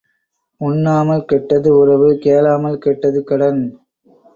உண்ணாமல் கெட்டது உறவு கேளாமல் கெட்டது கடன்.